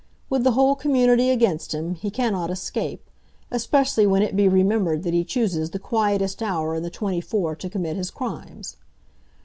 With the whole community against him, he cannot escape, especially when it be remembered that he chooses the quietest hour in the twenty four to commit his crimes.